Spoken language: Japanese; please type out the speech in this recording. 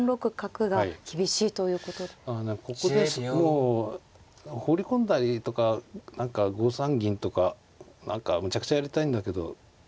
もう放り込んだりとか何か５三銀とか何かむちゃくちゃやりたいんだけど。